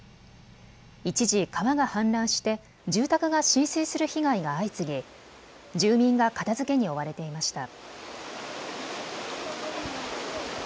一時、川が氾濫して住宅が浸水する被害が相次ぎ、住民が片づけに追われていました。